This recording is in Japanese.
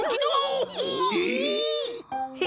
え！